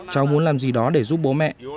cháu muốn làm gì đó để giúp bố mẹ